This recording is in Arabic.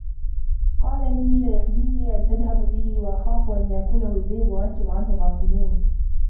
قَالَ إِنِّي لَيَحْزُنُنِي أَنْ تَذْهَبُوا بِهِ وَأَخَافُ أَنْ يَأْكُلَهُ الذِّئْبُ وَأَنْتُمْ عَنْهُ غَافِلُونَ